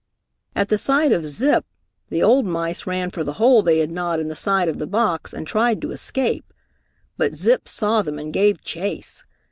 At the sight of Zip, the old mice ran for the hole they had gnawed in the side of the box, and tried to escape, but Zip saw them and gave chase.